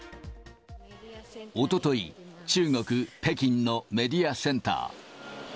おととい、中国・北京のメディアセンター。